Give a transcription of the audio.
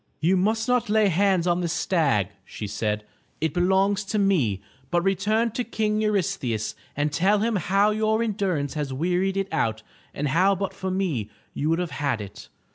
"You must not lay hands on this stag," she said. " It belongs to me. But return to King Eurystheus, and tell him bow your endurance has wearied it out and how but for me you would have 42S THE TREASURE CHEST had it.